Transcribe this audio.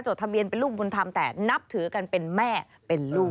ทะเบียนเป็นลูกบุญธรรมแต่นับถือกันเป็นแม่เป็นลูก